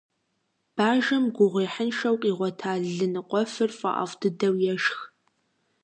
Бажэм гугъуехьыншэу къигъуэта лы ныкъуэфыр фӀэӀэфӀ дыдэу ешх.